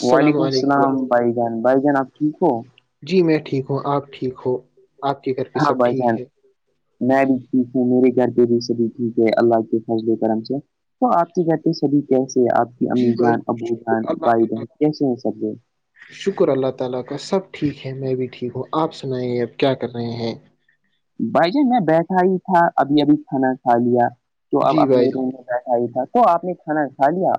السلام وعلیکم علیکم السلام بھائی جان بائی جان آپ ٹھیک ہو جی میں ٹھیک ہوں آپ ٹھیک ہو آپ کی کریں ہاں ب جان میں بھی ٹیک ہوں میرے گھر پہ بھی سبھی ٹھیک ہے اللہ کے فضل کرم سے تو آپ کی بتے سبھی کیسے ہیں آپ کی جی امییر بس جان ابو جان اللہ بھائی بہن تعالی کیسے ہیں سبے شکر اللہ تعالی کا سب ٹھیک ہے میں بھی ٹھیک ہوں آپ سنائیں اب کیا کر رہے ہیں بھائی جان میں بیٹھا ہی تھا ابھی ابھی کھانا کھا لیا تو اب جی بھائی اپنے جان روم ایسا ہی تھا تو آپ نے کھانا کھا لیا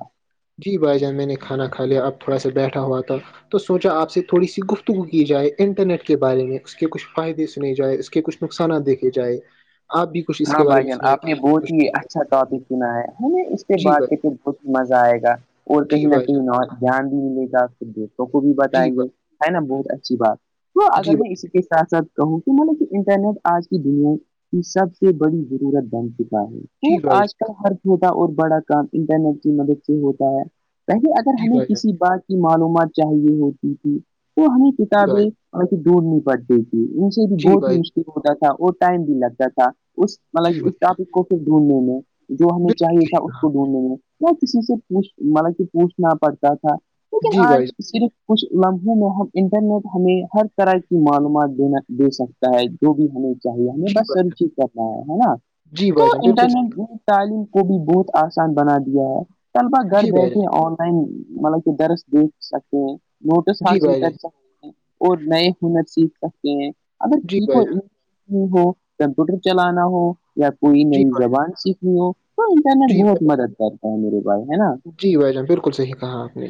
جی بھائی جان میں نے کھانا کھا لیا اب تھوڑا سا بیٹھا ہوا تھا تو سوچا آپ سے تھوڑی سی گفتگو کی جائے انٹرنیٹ کے بارے میں اس کے کچھ فائدے سنے جائے اس کے کچھ نقصانات دیکھے جائے آپ بھی کچھ اس ہاں کے بارے بھائی میں جان سنائیں آپ گے نے ہم بھی بہت ہی اچھا کچھ ٹاپک سنا ہے ہمیں اس کے جی بع بھائی کے پھر مزہ آئے گا اور جی کہیں نہ بھائی کہیں جان ن دھیان بھی ملے گا کھر دوستوں کو بھی جی بتائیے بھائی ہے نا بہت اچھی بات تو جی اگر میں اسی کے ساتھ ساتھ کہوں کہ ملے کہ انٹرنیٹ آج کی دنیا کی سب سے بڑی ضرورت بن چکا ہے وہ بھائی آج کل ہر چھوٹا اور بڑا کام انٹرنیٹ کی مدد سے ہوتا ہے پہلے اگر جی ہمیں بھائی جان کسی بات کی معلومات چاہیے ہوتی تھی تو ہمیں جی بھائی جان کتابیں اور اسے ڈڑ نہیں پڑتی تھی ان سے بھی جی بہت ہی بھائی جی بھائی مسٹیک ہوتا تھا اور ٹائم بھی لگتا تھا اس جی مطلب اس بھائی ٹاپک کو پھر ڈھونڈنے میں جو ہمیں چاہیے تھا اس کو ڈھونڈنے میں نہ کسی سے پوچھ مطلب کہ پوچھنا پڑتا تھا بالکل لیکن جی بھائی آج جان صرف کچھ لمحوں میں ہم انٹرنیٹ ہمیں ہر طرح کی معلومات دینا دے سکتا ہے جو بھی ہمیں چاہیے ہمیں جی بس بھائی سرچ ہی کرنا ہے ہاں ہے نا جی تو بھائی جان بالکل صحیح انٹرنیٹ نے تعلیم کو بھی بہت آسان بنا دیا ہے طلبا گھر جی بھائی جان بیٹھے آن لائن مطلب کہ درس دیکھ سکتے ہیں نوٹس جی حاصل بھائی کر جان سکتے ہیں اور نئے ہنر سیکھ سکتے ہیں اگر جی کسی بھائی کو جان ہو کمپیوٹر چلانا ہو یا کوئی جی نئی بھائی زبان سیکھ نی ہو تو انرنیٹ جی بھائی بہت مدد کرتا ہے میرے بھائی ہے نا جان جی بھائی جان بالکل صحیح کہا آپ نے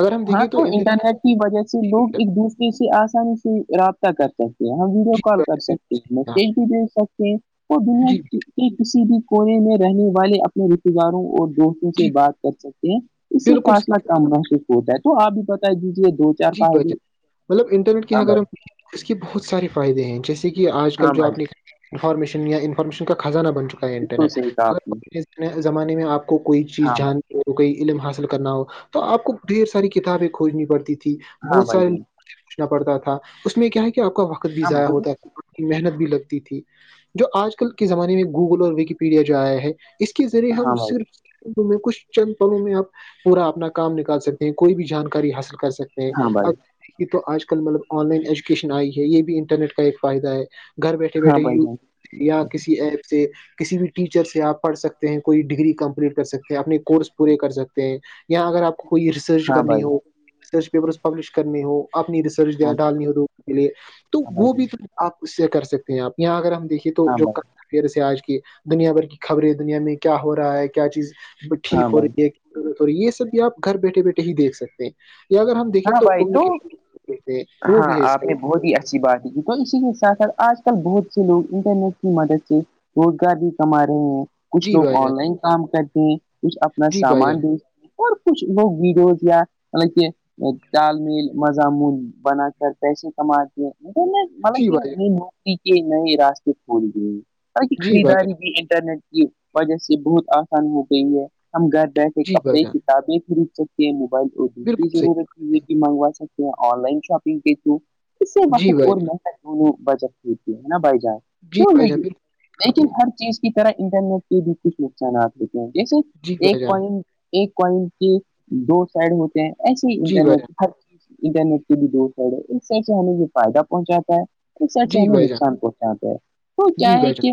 اگر ہم ہاں دیکھیں تو انٹرنیٹ کی وجہ سے لوگ ایک دوسرے سے آسانی سے رابطہ کر سکتے ہیں ہم ویڈیو جی کال بھائی کر جان سکتے بالکل ہیں صحیح کہا میسج بھی بھیج سکتے جی کہ کسی بھی کونے میں رہنے والے اپنے رشتتے داروں اور دوست توں سے جی بات کر سکتے ہیں اس سے بالکل فاصلہ صحیح کہا کم آپ نے۔ ہوتا ہے تو آپ بھی بتا دیجیے دو جی بھائی جان [unintelligible] مطلب انٹرنیٹ کے ہاں اگر بھائی ہم اس کے بہت سارے فائدے ہیں جیسے کہ آج کل ہاں جو بھائی آپ انفارمیشن یا انفارمیشن کا خزانہ بن چکا ہے بالکل انٹرنیٹ صحیح کہا آپ نے ایک زمانے میں آپ کو کوئی چیز ہاں بھائی جاننی ہو کوئی علم حاصل کرنا ہو تو آپ کو ڈھیر ساری کتابیں کھوجنی پڑتی تھی ہاں بہت بھائی سارے جان لوگوں سے پوچھنا پڑتا تھا اس میں کیا ہے کہ آپ کا وقت بھی ہاں ضائع بھائی، ہوتا تھا محنت بھی لگتی تھی جو آج کل کے زمانے میں گوگل اور وکیپیڈیا جو آیا ہے اس کے ذریعے ہاں ہم بھائی صرف لمحوں میں کچھ چند پھلوں میں آپ پورا اپنا کام نکال سکتے ہیں کوئی بھی جانکاری حاصل کر سکتے تے ہے ہاں بھائی اب دیکھیے تو آج کل مطلب آن لائن ایجوکیشن آئی ہے یہ بھی انٹرنیٹ کا ایک فائدہ ہے گھر بیٹھے ہاں بیٹھے بھائی یو جان یا کسی ایپ سے کسی بھی ٹیچر سے آپ پڑھ سکتے ہیں کوئی ڈگری کمپلیٹ کر سکتے ہیں اپنے کورس پورے کر سکتے ہیں یا اگر آپ کو کوئی ریسرچ ہاں کرنی بھائی ہو پیپر پبلش کرنی ہو اپنی ریسرچ ہاں بھائی ڈالنی ہو لوگوں کے لیے تو ہاں بھائی وہ جان، بھی آپ اس سے کر سکتے ہیں آپ یہاں اگر ہم دیکھیے تو ہاں جو بھائی پھر سے آج کی دنیا بھر کی خبریں دنیا میں کیا ہو رہا ہے کیا چیز ٹھیک ہاں ہو بھائی رہی ہے یہ سب بھی آپ گھر بیٹھے بیٹھے ہی دیکھ سکتے ہیں اگر ہم دیکیں ہاں تو بھائی کمیونیکیشن وہ ہاں بھی ہے اس آپ میں نے بہت ہی اچھی بات تو اسی کے ساتھ ساتھ آج کل بہت سے لوگ انٹرنیٹ کی مدد سے روزگار بھی کما رہے ہیں کچھ جی لوگ بھائی جان آن لائن کام کرتے ہیں کچھ اپنا جی بھائی سامان جان بھی اور کچھ لوگ ویڈوز یا مطلب کہ تال میل مضامون بنا کر پیسے کماتے ہیں مطلب جی بھائی جان کہ کے نئے راستے کھول گئے ہیں مطلب کہ جی بھائی خریداری جان بھی انٹرنیٹ کی وجہ سے بہت آسان ہو گئی ہے ہم گھر بیٹھے جی بھائی کپڑے جان بالکل صحیح [unintelligible] بات یہ ہے۔ بھی منگوا سکتے ہیں آن لائن شاپنگ کے تھرو اس سے جی مطلب بھائی اور جان محنت بچت ہوتی ہے نا بھائی جان جی کہ بھائی جان نہیں بالکل آپ لیکن نے ہر چیز کی طرح انٹرنیٹ کے بھی کچھ نقصانات ہوتے ہیں جیسے جی بھائی ایک جان کوین ایک کوائن کی دو سائڈ ہوتے ہیں ایسے ہی جی بھائی جان انٹرنیٹ ہر انٹرنیٹ کے بھی دو ساید ہے ایک ساید سے ہمیں یہ فائدہ پہنچاتا ہے ایک ساید سے جی ہمیں یہ بھائی جان نقصان پہنچاتا ہے وہ کیا جی ہے بھائی جان کہ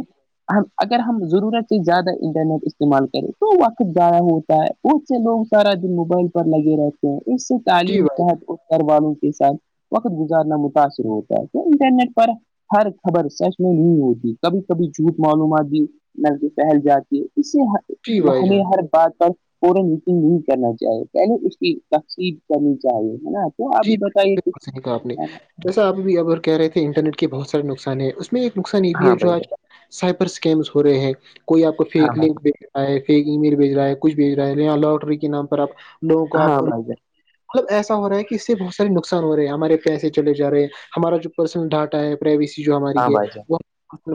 ہم اگر ہم ضرورت ہے زیادہ انٹرنیٹ استعمال کریں تو وقت زایہ ہوتا ہے بہت سے لوگ سارا دن موبائل پر لگے رہتے ہیں اس سے جی تعلیم بھائی صحت گھر والوں کے ساتھ وقت گزارنا متاثر ہوتا ہے تو انٹرنیٹ پر ہر خبر سچ میں نہیں ہوتی کبھی کبھی جھوٹ معلومات بھی مطلب کی پھیل جاتی ہے اس سے جی بھائی ہمیں جان ہر بات پر فورا یقین نہیں کرنا چاہیے پہلے اس کی تقصیر کرنی چاہیے ہے نا تو آب جی بھی بھائی جان، بتائیے بالکل صحیح کہا آپ نے کسی جیسا آپ بھی کہ رہے تھے انٹرٹ کے بہت سارے نقصان ہے اس میں ایک نقصان یہ بھی ہے جو آج سائبر اسکیمس ہو رہے ہیں کوئی آپث کو فیک لنک د فیک ای میل بھیج رہا ہے کچھ بھیج رہا ہے یہاں لوٹری کے نام پر آپ لوگوں کواپ ہاں بھائی جان مطلب ایسا ہو رہا ہے اس سے بہت سے نقصان ہو رہے ہیں ہمارے پیسے چلے جا رہے ہیں ہمارا جو پرسنل ڈاٹا ہے پرائیویسی جو ہماری ہاں ہے وہ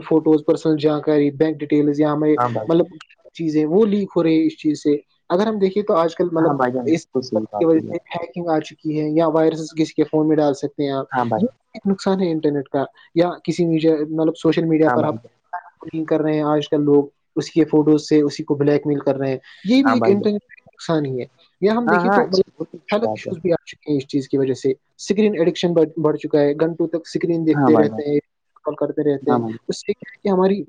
فوٹوز پرسنل جانکاری بینک ڈ ٹیل یا ہمارے ہاں مطلب چیز ہے وہ لیک ہو رہی ہیں اس چیز سے اگر ہم دیکھے تو آج مطلب ہاں بھائی جان اس کچھ کی وجہ سے آ چکی ہے یا وائرس کسی کے فون میں ڈال سکتے ہیں ہاں آپ بھائی یہ ایک نقصان ہے انٹرنیٹ کا یا کسی میڈیا مطلب سوشل میڈیا ہاں پر بھائی جان ہم نگ کر رہے ہیں آج کل لوگ اس کے فوٹوز سے اسی کو بلیک میل کر رہے ہیں یہ بھی ہاں ایک بھائی انٹرنی نقصان ہی ہے یا ہم جان ہاں دیکھیے ہاں تو مطلب اچھی بہت اچھی بات ہے خوفیا چونکہ اس چیز کی وجہ سے سگرین ایڈکشن بڑھ چکا ہے گنٹ سب اسکرین ہاں دیکتے بھائی رہتے جان ہیں کال کرتے رہتے ہاں ہیں بھائی اس ہماری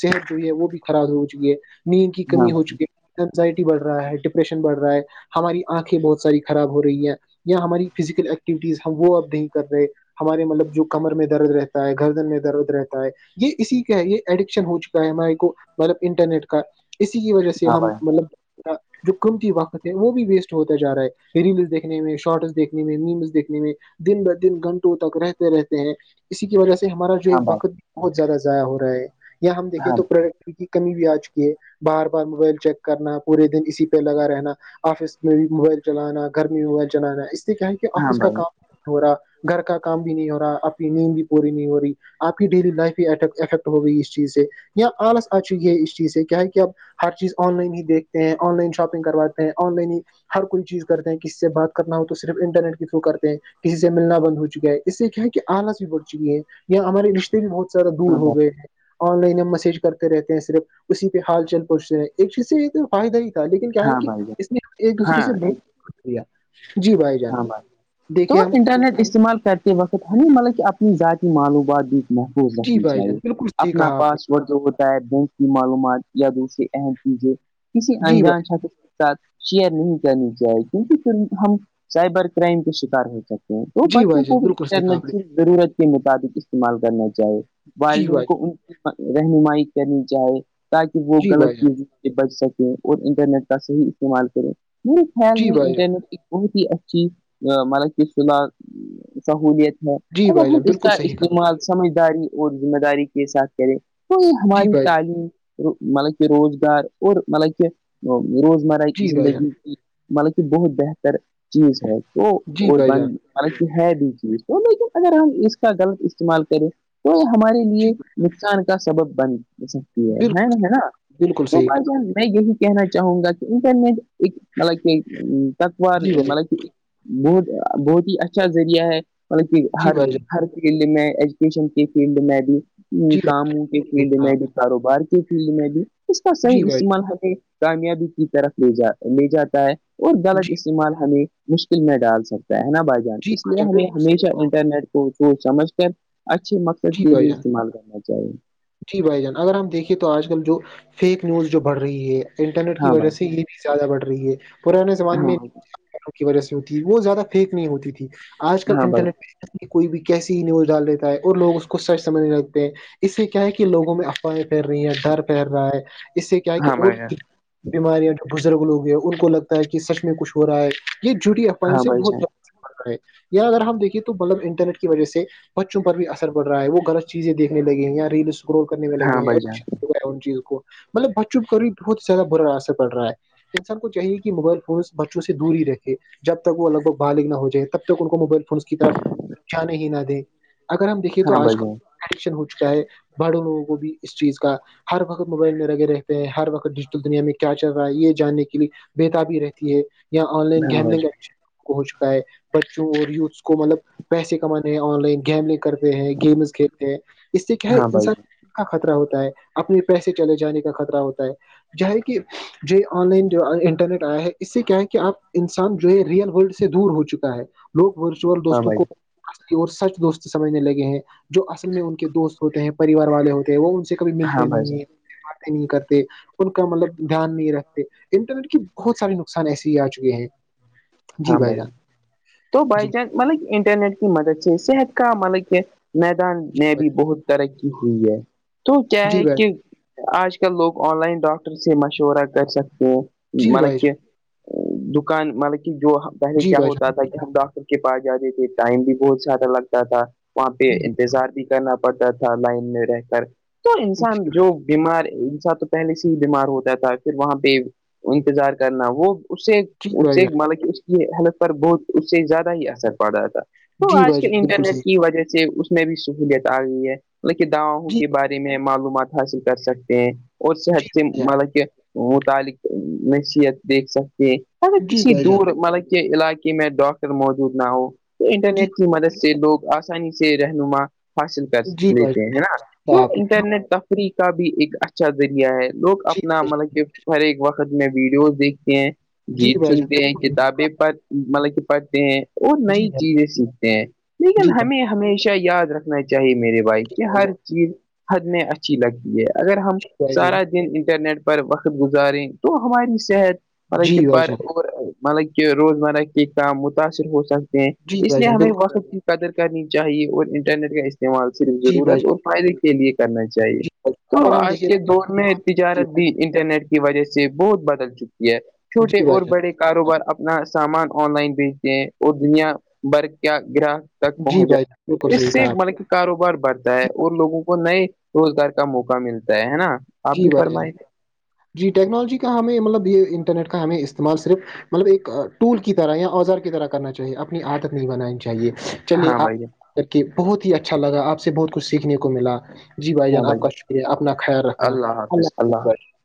صحت جو ہے وہ بھی خراب ہو چکی ہے نیند کی ہاں کمی ہو چکی ہے اینزائٹی بڑھ رہا ہے ڈپریشن بڑھ رہا ہے ہماری آنکھیں بہت ساری خراب ہو رہی ہیں یا ہماری فزیکل ایکٹیویٹیز وہ اب نہیں کر رہے ہمارے مطلب جو کمر میں درد رہتا ہے گردن میں درد رہتا ہے یہ اسی کا ہے یہ ایڈکشن ہو چکا ہے ہمارے کو مطلب انٹرنیٹ کا اسی کی وجہ بھائی، سے ہاں ہم بھائی مطلب جو قمتی وقت ہے وہ بھی ویسٹ ہوتا جا رہا ہے ریل دیکھنے میں [unintelligible] اسی کی وجہ سے ہمارا جو ہے ہاں بھائی وقت بھی بہت زیادہ ضائع ہو رہا ہے یا ہم دیھکے تو پریوریٹی کمی بھی آ چکی ہے بار بار موبائل چیک کرنا پورے دن اسی پہ لگا رہنا آفس میں بھی موبائل چلانا گرمی موبائل چلانا اس لیے کیا ہے کہ آفس کا کام ہو رہا گھر کا کام بھی نہیں ہو رہا اپنی نیند بھی پوری نہیں ہو رہی آپ کی ڈیلی لائف افیکٹ ہو گئی اس چیز سے یا آلس آ چکی ہے اس چیز سے کیا ہے کہ اب ہر چیز آن لائن ہی دیکھتے ہیں آن لائن شاپنگ کرواتے ہیں آن لائن ہی ہر کوئی چیز کرتے ہیں کس سے بات کرنا ہو تو صرف انٹرنیٹ کے تھرو کرتے ہیں کسی سے ملنا بند ہو چکا ہے اس سے کیا ہے کہ آلس بھی بڑھ چکی ہے یہ ہمارے رشتے بہت سادہ ہاں دور ہو بھائی گئے ہیں آن لائن ہم میسج کرتے رہتے ہیں صرف اسی پہ حال چل پہنچتے ہیں ایک چیز سے یہ تو فائدہ ہی تھا لیکن کیا ہے ہاں کہ بھائی جان اس نے ایک دوسرے سے ہاں بہت کیا ہاں بھائ تو انٹرنیٹ استعمال کرتے وقت ہمیں مطلب کہ اپنی ذاتی معلومات دی محفوظ جی رکھنی بھائی جان چاہیے بالکل صحیح اپنا کہا آپ نے پاس اور جو ہوتا ہے بینک کی معلومات یا دوسری اہم چیزیں کسی جی انجان بھائی ساتھ شیئر نہیں کرنی چاہیے کیونکہ پھر ہم سائبر کرائم کا شکار ہو سکتے تو جی بچوں بھائی جان کو بھی بالکل صحیح کہا انٹرنیٹ آپ نے کی ضرورت کے مطابق استعمال کرنا چاہیے جی والدین بھائی جان کو ان کی رہنمائی کرنی چاہے تاکہ وہ جی غلط چیز بچ سکیں اور انٹرنیٹ کا صحیح استعمال کریں میرے خیال میں بھائی جان انٹرنیٹ ایک بہت ہی کی ملب استعمال سہولیت ہے جی اگر بھائی جان جی بھائی ہم جان اس بالکل کا صحیح کہا آپ نے استعمال سمجھداری اور ذمہ داری کے ساتھ کرے تو یہ جی ہماری بھائی جان تعلیم مطلب کہ روزگار اور مطلب کہ روزمرہ کی جی بھائی جان زندگی مطلب کہ بہت بہتر چیز ہے وہ جی اور بھائی جان بند مطلب ہے بھی چیز تو لیکن اگر ہم اس کا غلط استعمال کریں تو یہ ہمارے جی لیے نقصان کا سبب بن سکتی ہے بالکل ہے نا ہے نا بالکل تو صحیح بھائی کہا چان میں یہی کہنا چاہوں گا کہ انٹرنیٹ ایک مطلب کہ تکوار جی بھائی مطلب کہ بہت بہت ہی اچھا ذریعہ ہے مطلب کہ جی ہر بھائی جان ہر فیلڈ میں ایجوکیشن کے فیلڈ میں بھی جی بھائی کاموں کے جان فیلڈ ہاں میں بھی کاروبار فیل میں بھی اس کا جی صحیح بھائی استعمال ہمیں کامیابی کی طرف لے جا لے جاتا ہے اور غلط جی استعمال ہمیں مشکل میں ڈال سکتا ہے نا بھائی جی اس بھائی لیے جان ہمیں بالکل صحیح ہمیشہ کہا انٹرنیٹ کو س سمجھ کر اچھے مقصد سب جی کے بھائی لیے جان استعمال کرنا چاہیے جی بھائی جان اگر ہم دیکھے تو آج کل جو فیک نیوز جو بڑھ رہی ہے انٹرنیٹ کی ہاں بھائی وجہ سے یہ زیادہ بڑھ رہی ہے پرانے زمانے ہاں میں بھائی، کی وجہ سے ہوتی وہ زیادہ فیک نہیں ہوتی تھی آج کل ہاں بھائی انٹرنیٹ پ کوئی بھی کیسی ہی نیوز ڈال دیتا ہے اور لوگ اس کو سچ سمجھ نہیں لگتے ہیں اس سے کیا ہے کہ لوگوں میں افواہیں پھیر رہی ہیں ڈر پہر رہا ہے اس سے کیا ہے کہ ہاں اور بھائی بیماریاں جو بزرگ لوگ ہیں ان کو لگتا ہے کہ سچ میں کچھ ہو رہا ہے یہ جٹیا ہاں سے بھائی جان بہت ہے یا اگر ہم دیکیںے تو مطلب انٹرنیٹ کی وجہ سے بچوں پر بھی ا پڑ رہا ہے وہغط چیزیں دیکنے لگے ہیں یا ریل اسکرول کرنے لگے ہاں ہیں بھائی جان ہو ہے ان چیزوں کو مطلب بچ چپ کا بھی بہت زیادہ برا اثر پڑ رہا ہے انسان کو چاہیے کہ موبائل فونس بچوں سے دور ہی رکھے جب تک وہ لگ بگ باہالک نہ ہو جائے تب تک ان کو موبائل فونس کی طرف جانے ہی نہ دیں اگر ہم دیکھے تو ہاں بھائی آج کل جان ایڈکشن ہو چکا ہے باڑوں لوگوں کو بھی اس چیز کا ہر وقت موبائل میں لگے رہتے ہیں ہر وقت ڈیجیٹل دنیا میں کیا چل رہا ہے یہ جاننے کے لیے بتابی رہتی ہے یا آن لائن ہاں بھائی گیملنگ ہو چکا ہے بچوں اور یوتس کو مطلب پیسے کمانے ہیں آن لائن گیملنگ کر ہیں گیمز کھیلتے ہیں اس سے کیا ہے ہاں بھائی انسان کا خطرہ ہوتا ہے اپنے پیسے چلے جانے کا خطہ ہوتا ہے ج ہے کہ جو آن لائن جو انٹرنیٹ آیا ہے اس سے کیا ہے کہ آپ انسان جو ہے ریئل ورلڈ سے دور ہو چکا ہے لوگ ورچوئل ہاں دوستوں بھائی کو اور سچ دوست سمجھنے لگے ہیں جو اصل میں ان کے دوست ہوتے ہیں پریوار والے ہوتے ہیں وہ ان سے کبھی ہاں ملتے بھائی نہیں جان ہیں باتیں نہیں کرتے ان کا مطلب دھیان نہیں رکھتے انٹرنیٹ کی بہت سارے نقصان ایسے ہی آ چکے ہیں جی ہاں بھائی جان تو بائی جی جان مطلب انٹرنیٹ کی مدد سے صحت کا مطلب کہ میدان جی میں بھائی بھی بہت ترقی ہوئی ہے تو کیا ہے کہ جی آج کل لوگ آن لائن ڈاکٹر سے مشورہ کر سکتے ہیںوں بھائی مطلب کہ دکان مطلب کہ جو پہلے جی کیا بھائی جان ہوتا تھا کہ ہم ڈاکٹر کے پاس جاتے تھے ٹائم بھی بہت زیادہ لگتا تھا وہاں پہ انتظار بھی کرنا پتا تھا لائن میں رہ کر تو انسان جی جو بیمار ان سا تو پہلے سے ہی بیمار ہوتا تھا پھر وہاں پہ انتظار کرنا وہ اس سے اس بھائی سے جان مطلب کہ اس کی ہیلتھ پر بہت اس سے زیادہ ہی اثر پڑ رہا تھا تو جی بھائی جان جی آج بھائی کل جان بالکل انٹرنیٹ صحیح کی وجہ سے اس میں بھی سہلیت آ گئی ہے مطلب کہ دواؤں جی کے بارے میں معلومات حاصل کر سکتے ہیں اور صحت جی سے بھائی جان مطلب کہ متعلق نصیحت دیکھ سکتے ہیں جی بھ جان ملک کے علاقے میں ڈاکٹر موجود نہ ہو تو جی انٹرنیٹ کی مدد سے لوگ آسانی سے سے رہنما حاصل کر جی بھائی لیتے ہیں نا جان وہ آپ نے انٹرنیٹ ت کا بھی ایک اچھا ذریعہ ہے لوگ جی اپنا بھائی جان مطلب کہ ہر ایک وقت میں ویڈیوز دیکھتے ہیں جی گیت بھائی جان سنتے ہیں کتابیں پرڑھ مطلب کہ پڑھتے ہیں اور جی نئی بھائی چیزیں سیکھتے ہیں لیکن ہمیں جان ہمیشہ یاد رکھنا چاہیے میرے جی کہ ہر چیز حد میں اچھی لگتی ہے اگر ہم بھائی جان سارا دن انٹرنیٹ پر وقت گزاریں تو ہماری صحت مطلب کہ جی بھائی پر جان جی بھائی جان اور مطلب کہ روزمرہ کے کام متاثر ہو سکتے ہیں جی اس بھائی لیے جان ہمیں بالکل وقت قدر کرنی چاہیے اور انٹرنیٹ کا استعمال صرف جی بھائی جان ضرورت اور فائدے کے لیے کرنا چاہیے جی بھائی جان، تو اگر ہم آج دیکھیں کے دور تو- میں جی تجارت بھائی بھی انٹرنیٹ کی وجہ سے بہت بدل چکی ہے جان چھوٹے جی بھائی اور بڑے کے جان کاروبار اپنا سامان آن لائن بھیجتے ہیں اور دنیا بھر کا گراہ تک جی پہنچ بھائی جان بالکل جائے اس صحیح سے کہا آپ نے۔ مطلب کاروبار بڑھتا ہے جی بھائی اور لوگوں کو نئے روزگار کا موقع ملتا ہے نا آپ جی بھی بھائی جان فرمائی تھ جی ٹیکنالوجی کا ہمیں مطلب یہ انٹرنیٹ کا ہمیں استعمال صرف مطلب ایک ٹول کی طرح یا اوزار کی طرح کرنا چاہیے اپنی عادت نہیں بنانی چاہیے چلے ہاں آپ بھائی جان، کر کے بہت ہی اچھا لگا آپ سے بہت کچھ سیکھنے کو ملا جی بھائی جان آپ کا شکریہ اپنا خیال رکھنا اللہ حافظ